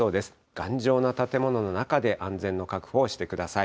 頑丈な建物の中で安全の確保をしてください。